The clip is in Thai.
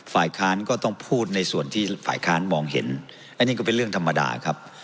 ฝ่ายค้านก็ต้องพูดในส่วนที่ฝ่ายค้านมองเห็นอันนี้ก็เป็นเรื่องธรรมดาครับ